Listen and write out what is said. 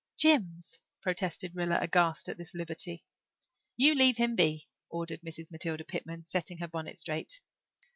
"Jims," protested Rilla, aghast at this liberty. "You leave him be," ordered Mrs. Matilda Pitman, setting her bonnet straight.